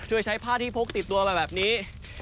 ช่วยใช้ผ้าที่พกติดตัวมาแบบนี้